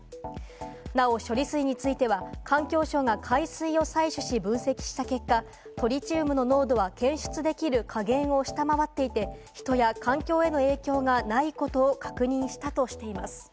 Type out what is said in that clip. なお処理水については、環境省が海水を採取し分析した結果、トリチウムの濃度は検出できる下限を下回っていて、人や環境への影響がないことを確認したとしています。